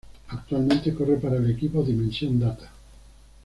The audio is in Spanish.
Actualmente corre para el equipo Dimension Data.